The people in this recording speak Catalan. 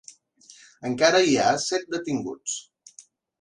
Encara hi ha set detinguts.